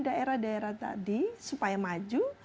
daerah daerah tadi supaya maju